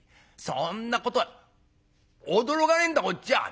そんなことは驚かねえんだこっちは。